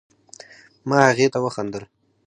ما هغې ته وخندل